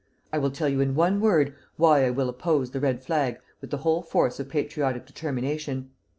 I will tell you in one word why I will oppose the red flag with the whole force of patriotic determination.